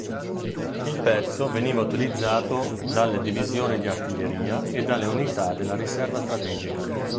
Il pezzo veniva utilizzato dalle divisioni di artiglieria e dalle unità della riserva strategica.